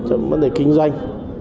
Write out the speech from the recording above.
trong vấn đề kinh doanh